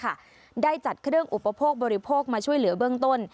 ได้จัดเครื่องอุปโภคบริโภคมาช่วยเหลือเบื้องต้น